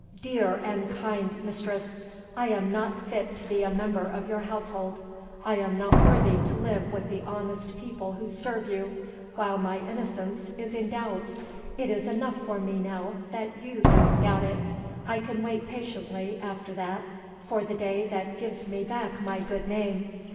Dear and kind mistress! I am not fit to be a member of your household, I am not worthy to live with the honest people who serve you, while my innocence is in doubt. It is enough for me now that you don't doubt it. I can wait patiently, after that, for the day that gives me back my good name.